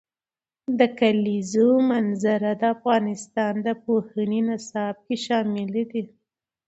د کلیزو منظره د افغانستان د پوهنې نصاب کې شامل دي.